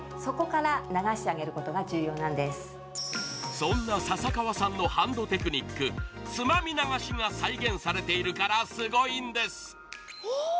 そんな笹川さんのハンドテクニックつまみ流しが再現されているからすごいんです。